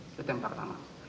itu yang pertama